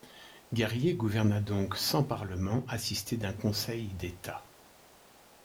Guerrier gouverna donc sans parlement, assisté d'un conseil d'État.